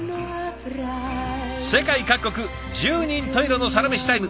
世界各国十人十色のサラメシタイム。